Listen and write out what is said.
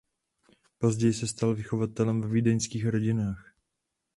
Později se stal vychovatelem ve vídeňských rodinách.